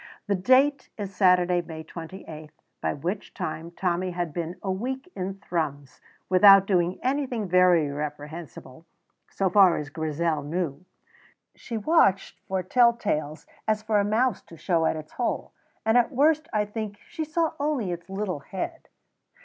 The date is Saturday, May 28, by which time Tommy had been a week in Thrums without doing anything very reprehensible, so far as Grizel knew. She watched for telltales as for a mouse to show at its hole, and at the worst, I think, she saw only its little head.